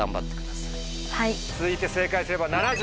続いて正解すれば。